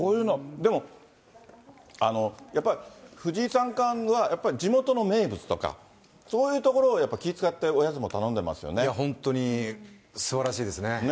でも、やっぱり藤井三冠は、やっぱり地元の名物とか、そういうところをやっぱ、気を遣って、おや本当に、すばらしいですね。